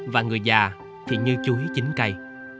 và người già thì như chuối chính cây